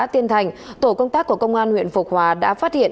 tỉnh quảng ngãi